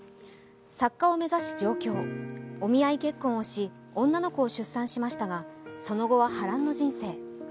作家を目指し上京、お見合い結婚をし女の子を出産しましたがその後は波乱の人生。